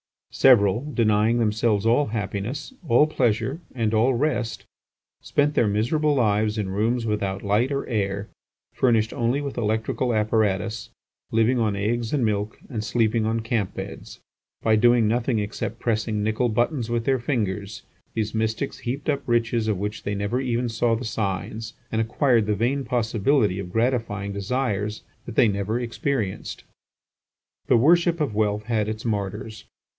Several, denying themselves all happiness, all pleasure, and all rest, spent their miserable lives in rooms without light or air, furnished only with electrical apparatus, living on eggs and milk, and sleeping on camp beds. By doing nothing except pressing nickel buttons with their fingers, these mystics heaped up riches of which they never even saw the signs, and acquired the vain possibility of gratifying desires that they never experienced. The worship of wealth had its martyrs.